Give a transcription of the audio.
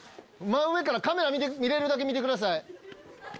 カメラ見れるだけ見てください。